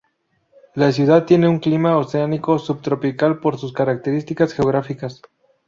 La ciudad tiene un clima oceánico subtropical por sus características geográficas.